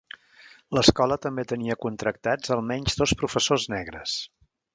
L'escola també tenia contractats almenys dos professors negres.